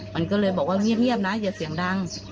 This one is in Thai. มันก็เลยบอกว่าเงียบนะอย่าเสียงดัง